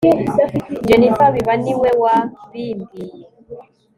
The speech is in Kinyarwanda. jennifer biba niwe wabimbwiye